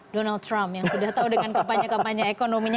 donald trump yang sudah tahu dengan kebanyakan ekonominya